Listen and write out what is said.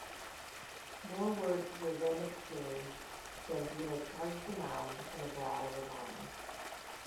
More words were then exchanged, Bambino charged the mound, and the brawl was on.